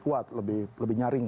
kuat lebih nyaring